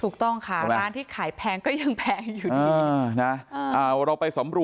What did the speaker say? ก็ถูกนะครับ